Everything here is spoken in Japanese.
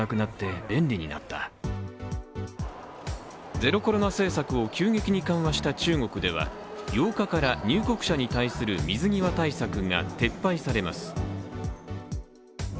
ゼロコロナ政策を急激に緩和した中国では８日から入国者に対する水際対策が撤廃されます。